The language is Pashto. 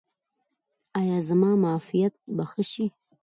ایا زما معافیت به ښه شي؟